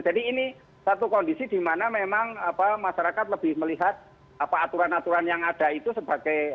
jadi ini satu kondisi dimana memang masyarakat lebih melihat apa aturan aturan yang ada itu hanya sebagai peraturan